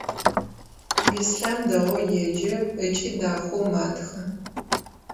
Беслъэн дэгъоу еджэ ыкӏи дахэу матхэ.